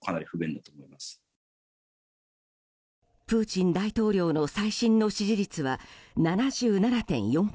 プーチン大統領の最新の支持率は７７．４％。